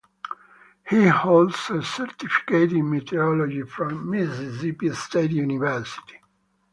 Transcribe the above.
He holds a certificate in meteorology from Mississippi State University.